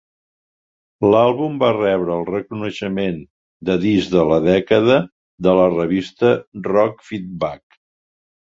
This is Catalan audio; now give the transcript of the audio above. L'àlbum va rebre el reconeixement de Disc de la dècada de la revista Rockfeedback.